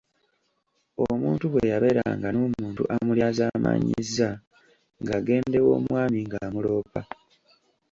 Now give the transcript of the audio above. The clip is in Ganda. Omuntu bwe yabeeranga n’omuntu amulyazaamaanyizza ng’agenda ew’omwami ng’amuloopa.